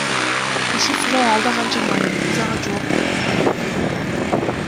Ушул суроо алда канча маанилүү, биз ага жооп тапканга аракет кылалы.